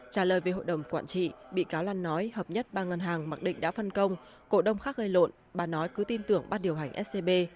trả lời về hội đồng quản trị bị cáo lan nói hợp nhất ba ngân hàng mặc định đã phân công cổ đông khác gây lộn bà nói cứ tin tưởng ban điều hành scb